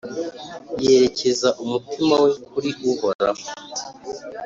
yerekeza umutima we kuri Uhoraho,